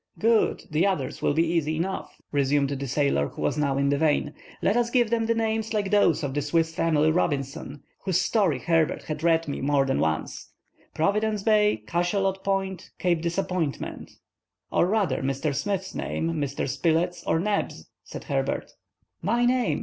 "Good! the others will be easy enough," resumed the sailor, who was now in the vein. "Let us give them names like those of the Swiss family Robinson, whose story Herbert has read me more than once:—'Providence Bay,' 'Cochalot Point,' 'Cape Disappointment.'" "Or rather Mr. Smith's name, Mr. Spilett's, or Neb's," said Herbert. "My name!"